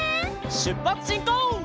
しゅっぱつしんこう！